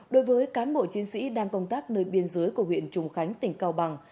đối với cán bộ chiến sĩ đang công tác nơi biên giới của huyện trùng khánh tỉnh cao bằng